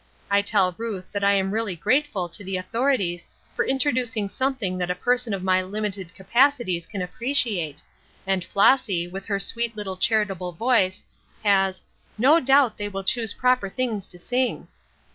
I tell Ruth that I am really grateful to the authorities for introducing something that a person of my limited capacities can appreciate, and Flossy, with her sweet little charitable voice, has 'no doubt they will choose proper things to sing.'